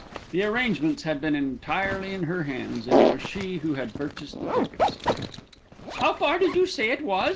The arrangements had been entirely in her hands, and it was she who had purchased the tickets. "How far did you say it was?"